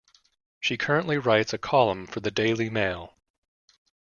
She currently writes a column for the "Daily Mail".